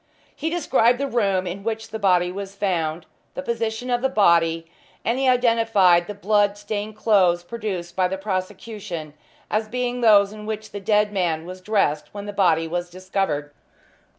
He described the room in which the body was found; the position of the body; and he identified the blood stained clothes produced by the prosecution as being those in which the dead man was dressed when the body was discovered.